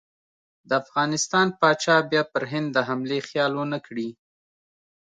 د افغانستان پاچا بیا پر هند د حملې خیال ونه کړي.